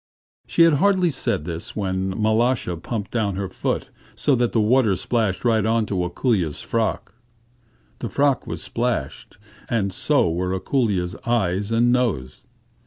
She had hardly said this, when Mal√°sha plumped down her foot so that the water splashed right on to Ako√∫lya's frock. The frock was splashed, and so were Ako√∫lya's eyes and nose.